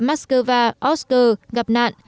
moscow oscar gặp nạn